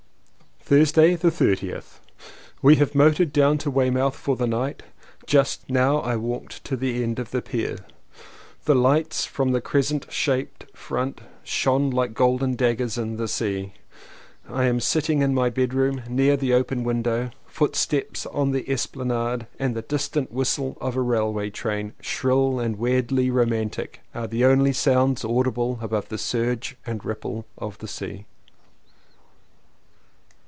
Thursday the 30th. We have motored down to Weymouth for the night. Just now I walked to the end of the pier; the lights from the crescent shaped front shone like golden daggers in 218 LLEWELLYN POWYS the sea. I am sitting in my bedroom near the open window: footsteps on the esplanade and the distant whistle of a railway train, shrill and weirdly romantic, are the only sounds audible above the surge and ripple of the sea.